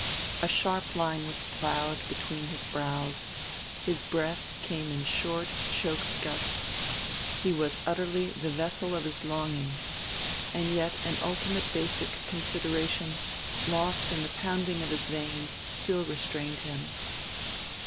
A sharp line was ploughed between his brows; his breath came in short choked gusts, he was utterly the vessel of his longing, and yet an ultimate basic consideration, lost in the pounding of his veins, still restrained him.